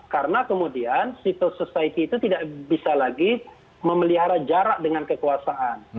karena kemudian civil society itu tidak bisa lagi memelihara jarak dengan kekuasaan